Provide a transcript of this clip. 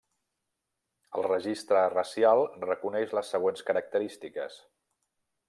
El registre racial reconeix les següents característiques.